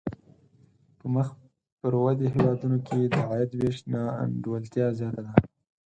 په مخ پر ودې هېوادونو کې د عاید وېش نا انډولتیا زیاته ده.